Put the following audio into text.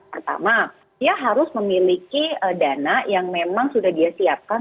pertama dia harus memiliki dana yang memang sudah dia siapkan